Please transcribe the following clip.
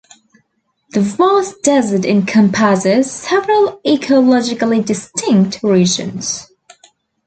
The vast desert encompasses several ecologically distinct regions.